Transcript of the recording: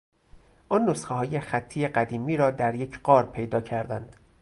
آن نسخههای خطی قدیمی را در یک غار پیدا کردند.